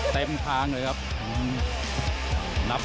ตามต่อยกที่สองครับ